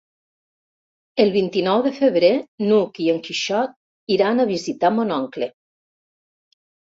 El vint-i-nou de febrer n'Hug i en Quixot iran a visitar mon oncle.